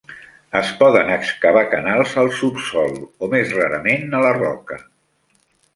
Es poden excavar canals al subsol o, més rarament, a la roca.